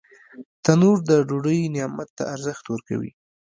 تنور د ډوډۍ نعمت ته ارزښت ورکوي